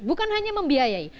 bukan hanya membiayai